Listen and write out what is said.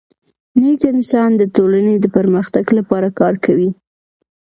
نیک انسان د ټولني د پرمختګ لپاره کار کوي.